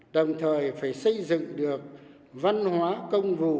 đồng thời phải xây dựng được văn hóa công vụ